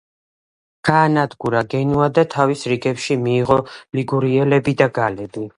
გაანადგურა გენუა და თავის რიგებში მიიღო ლიგურიელები და გალები.